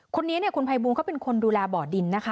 คนนี้คุณพายบูณเค้าเป็นคนดูแลบ่อดินนะคะ